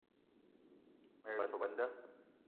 Me ye sop a nda